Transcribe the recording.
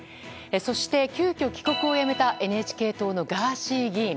そして、急きょ帰国をやめたＮＨＫ党のガーシー議員。